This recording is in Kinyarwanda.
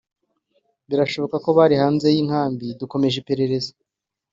birashoboka ko bari hanze y’inkambi dukomeje iperereza